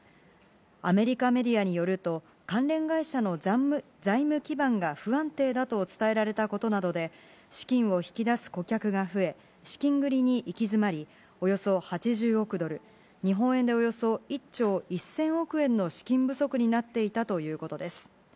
アメリカメディアによると、関連会社の財務基盤が不安定だと伝えられたことなどで資金を引き出す顧客が増え、資金繰りに行き詰まりおよそ８０億ドル、日本円でおよそ１兆１０００億円の資金不足になっていたということです。